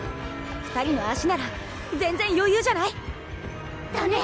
２人の足なら全然余裕じゃない？だね！